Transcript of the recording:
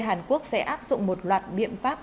hàn quốc sẽ áp dụng một loạt biện pháp